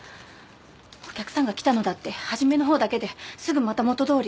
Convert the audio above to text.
お客さんが来たのだって初めの方だけですぐまた元通り。